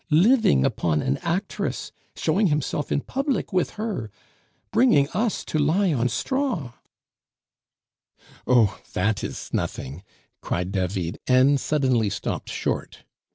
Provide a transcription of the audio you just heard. Living upon an actress! Showing himself in public with her. Bringing us to lie on straw " "Oh, that is nothing !" cried David, and suddenly stopped short.